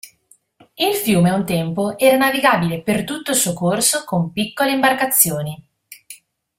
Il fiume un tempo era navigabile per tutto il suo corso con piccole imbarcazioni.